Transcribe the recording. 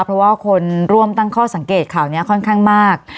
เพราะว่าคนร่วมตั้งข้อสังเกตข่าวนี้ค่อนข้างมาก